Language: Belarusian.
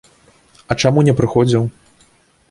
А чаму не прыходзіў?